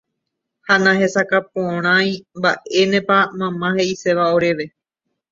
Ha nahesakãporãi mba'énepa mama he'iséva oréve.